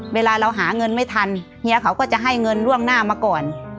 เวลาเราหาเงินไม่ทันเฮียเขาก็จะให้เงินล่วงหน้ามาก่อน